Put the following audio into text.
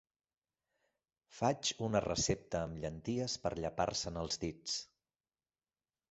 Faig una recepta amb llenties per llepar-se'n els dits.